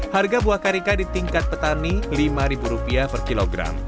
harga buah karika di tingkat petani rp lima per kilogram